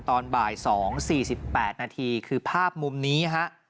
ตอนบ่าย๒๔๘นาทีคือภาพมุมนี้ฮะ